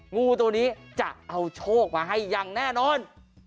งูตัวนี้จะเอาโชคมาให้อย่างแน่นอน